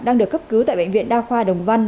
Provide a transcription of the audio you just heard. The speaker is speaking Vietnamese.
đang được cấp cứu tại bệnh viện đa khoa đồng văn